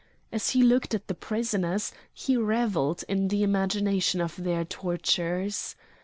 As he looked at the prisoners he revelled in the imagination of their tortures.